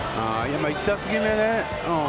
今、１打席目ね。